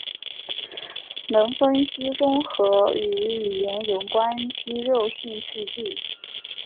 能分析综合与语言有关肌肉性刺激。